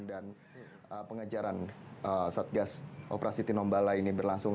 dan pengajaran satgas operasi tinombala ini berlangsung